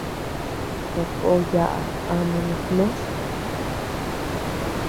Sakó yaʼa ama nutnós.